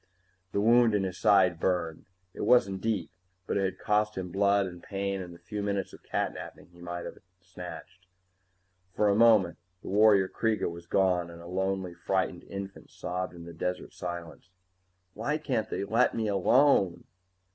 The wound in his side burned. It wasn't deep, but it had cost him blood and pain and the few minutes of catnapping he might have snatched. For a moment, the warrior Kreega was gone and a lonely, frightened infant sobbed in the desert silence. _Why can't they let me alone?